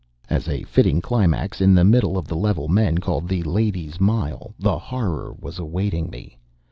As a fitting climax, in the middle of the level men call the Ladies' Mile the Horror was awaiting me.